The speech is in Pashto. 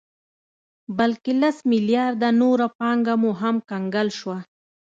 بلکې لس مليارده نوره پانګه مو هم کنګل شوه